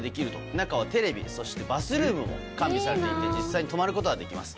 中はテレビそしてバスルームも完備されていて実際に泊まることができます。